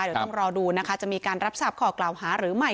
เดี๋ยวต้องรอดูนะคะจะมีการรับทราบข้อกล่าวหาหรือไม่